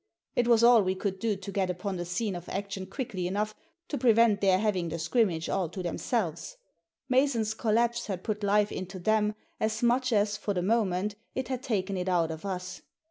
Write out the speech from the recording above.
It was all we could do to get upon the scene of action quickly enough to prevent their having the scrim mage all to themselves. Mason's collapse had put life into them as much as, for the moment, it had taken it out of us.